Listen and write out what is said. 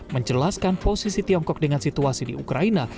menjelaskan posisi tiongkok dengan situasi di ukraina